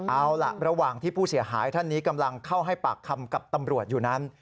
เอาล่ะระหว่างที่ผู้เสียหายท่านนี้กำลังเข้าให้ปากคำกับตำรวจอยู่นั้น